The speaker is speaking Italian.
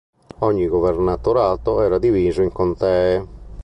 Ogni governatorato era diviso in contee.